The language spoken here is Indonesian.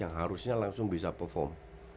yang harusnya langsung bisa perform